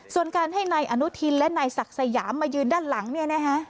ส่วนการให้นายอนุทินและนายศักดิ์สยามมายืนด้านหลังเนี่ยนะฮะ